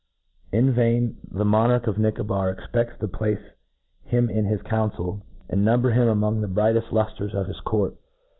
In vain the monarch of Nicobar expeds to place him in his council, and number him among the brighteft luftres of his court